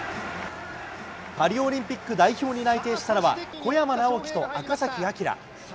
パリオリンピック代表に内定したのは、小山直城と赤崎暁。